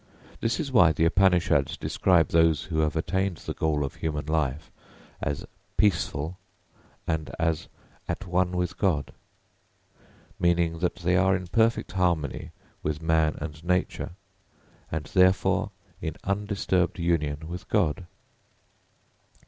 This is why the Upanishads describe those who have attained the goal of human life as "peaceful" [Footnote: Praçantāh] and as "at one with God," [Footnote: Yuktātmānah] meaning that they are in perfect harmony with man and nature, and therefore in undisturbed union with God.